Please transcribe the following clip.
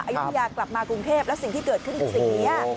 อายุทยากลับมากรุงเทพแล้วสิ่งที่เกิดขึ้นคือสิ่งนี้